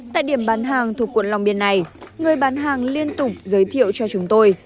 tại điểm bán hàng thuộc quận long biên này người bán hàng liên tục giới thiệu cho chúng tôi